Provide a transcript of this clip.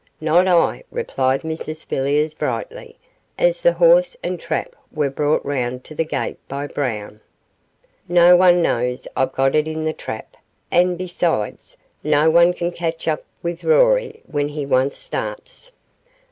'Not I,' replied Mrs Villiers, brightly, as the horse and trap were brought round to the gate by Brown. 'No one knows I've got it in the trap, and, besides, no one can catch up with Rory when he once starts.